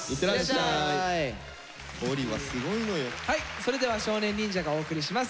それでは少年忍者がお送りします。